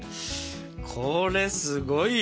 これすごいよ。